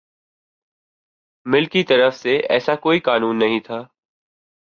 مل کی طرف سے ایسا کوئی قانون نہیں تھا